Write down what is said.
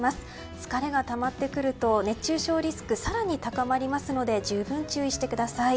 疲れがたまってくると熱中症リスク更に高まりますので十分、注意してください。